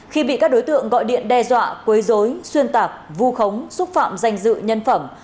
khi bị các đối tượng gọi điện đe dọa quấy dối xuyên tạc vu khống xúc phạm danh dự nhân phẩm